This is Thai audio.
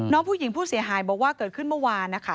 น้องผู้หญิงผู้เสียหายบอกว่าเกิดขึ้นเมื่อวานนะคะ